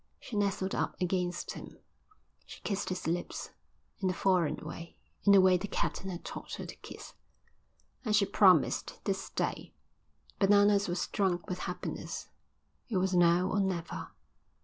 She nestled up against him. She kissed his lips, in the foreign way, in the way the captain had taught her to kiss. And she promised to stay. Bananas was drunk with happiness. It was now or never.